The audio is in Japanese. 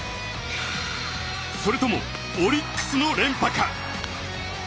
それともオリックスの連覇か。